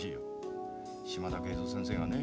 島田啓三先生がね